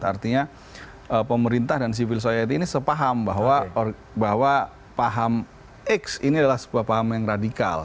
artinya pemerintah dan civil society ini sepaham bahwa paham x ini adalah sebuah paham yang radikal